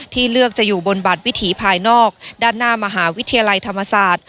เลือกจะอยู่บนบัตรวิถีภายนอกด้านหน้ามหาวิทยาลัยธรรมศาสตร์